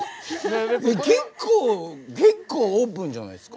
結構結構オープンじゃないですか？